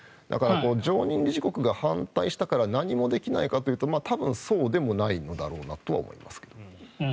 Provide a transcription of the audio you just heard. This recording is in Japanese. だから常任理事国が反対したから何もできないかというと多分、そうでもないのだろうなとは思います。